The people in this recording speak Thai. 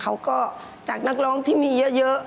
เขาก็จากนักร้องที่มีเยอะ